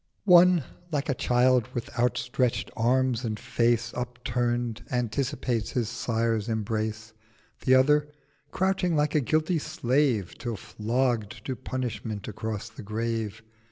— One, like a child with outstretcht Arms and Face Upturn'd, anticipates his Sire's Embrace; The other crouching like a guilty Slave Till flogg'd to Punishment across the Grave.